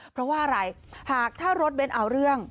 เพราะว่าอะไรหากถ้ารถเบ้นเอาเรื่อง